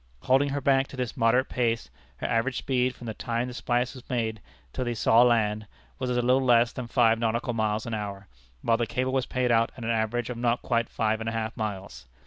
Holding her back to this moderate pace, her average speed, from the time the splice was made till they saw land, was a little less than five nautical miles an hour, while the cable was paid out at an average of not quite five and a half miles.